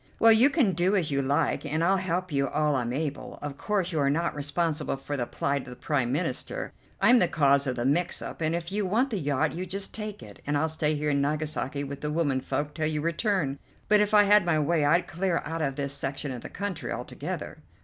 "Well, you can do as you like, and I'll help you all I'm able. Of course you're not responsible for the plight of the Prime Minister; I'm the cause of the mix up, and if you want the yacht you just take it, and I'll stay here in Nagasaki with the womenfolk till you return; but if I had my way I'd clear out of this section of the country altogether."